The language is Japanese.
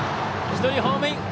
１人、ホームイン。